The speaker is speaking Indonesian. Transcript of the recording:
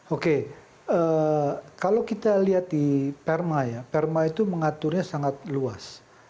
oke kalau kita lihat di perma ya perma itu mengaturnya sangat luas